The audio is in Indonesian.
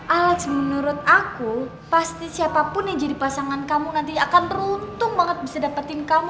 alex menurut aku pasti siapapun yang jadi pasangan kamu nanti akan beruntung banget bisa dapetin kamu